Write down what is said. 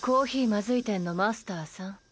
まずい店のマスターさん。